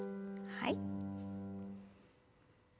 はい。